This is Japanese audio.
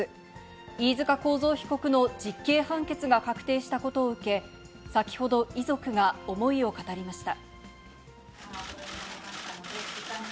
飯塚幸三被告の実刑判決が確定したことを受け、先ほど遺族が思いを語りました。